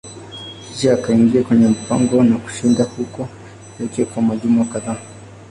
Kisha aliingia kwenye pango na kushinda huko pekee kwa majuma kadhaa.